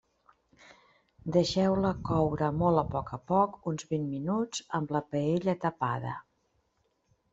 Deixeu-la coure molt a poc a poc uns vint minuts amb la paella tapada.